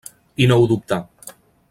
I no ho dubtà.